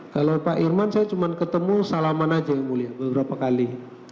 kalau pak irman saya cuma ketemu salaman aja yang mulia beberapa kali